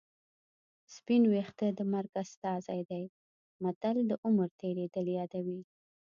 سپین ویښته د مرګ استازی دی متل د عمر تېرېدل یادوي